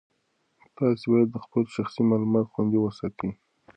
تاسي باید خپل شخصي معلومات خوندي وساتئ.